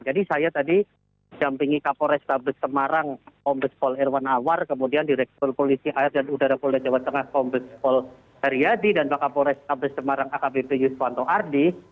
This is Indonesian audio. jadi saya tadi jampingi kapolres kabupaten semarang kompleks pol airwan awar kemudian direktur polisi air dan udara pol jawa tengah kompleks pol heriadi dan kapolres kabupaten semarang akbp yusuf wanto ardi